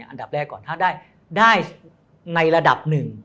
อันดับแรกก่อนถ้าได้ในระดับหนึ่ง